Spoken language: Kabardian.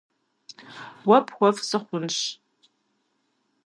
- Уэ пхуэфӏ сыхъунщ.